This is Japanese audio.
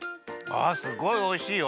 あすごいおいしいよ。